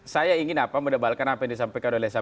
saya ingin apa mendebalkan apa yang disampaikan oleh